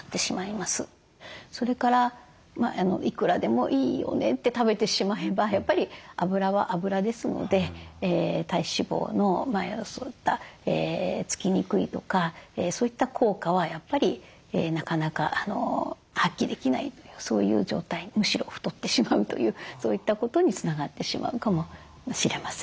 それからいくらでもいいよねって食べてしまえばやっぱりあぶらはあぶらですので体脂肪のそういった付きにくいとかそういった効果はやっぱりなかなか発揮できないというそういう状態にむしろ太ってしまうというそういったことにつながってしまうかもしれません。